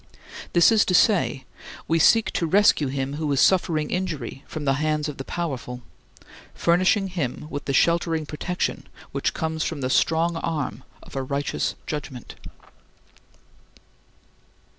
This is to say, we seek to rescue him who is suffering injury from the hands of the powerful furnishing him with the sheltering protection which comes from the strong arm of a righteous judgment.